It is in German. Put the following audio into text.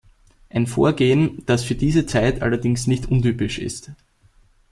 Ein Vorgehen, das für diese Zeit allerdings nicht untypisch ist.